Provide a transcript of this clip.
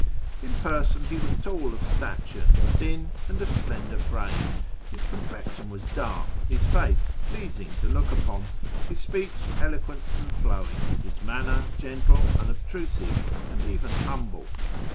In person he was tall of stature, thin, and of slender frame ; his com plexion was dark, his face pleasing to look upon, his speech eloquent and flowing, his manner gentle, unobtrusive, and even humble.